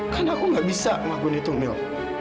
karena aku gak bisa ngelakuin itu mel